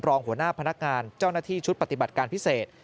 รองหัวหน้าพนักงานเจ้าหน้าที่ชุดปฏิบัติการพิเศษ